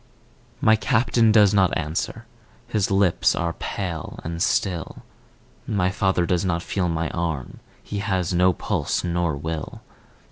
My Captain does not answer, his lips are pale and still, My father does not feel my arm, he has no pulse nor will.